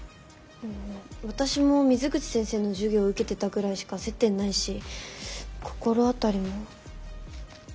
私も水口先生の授業受けてたぐらいしか接点ないし心当たりも。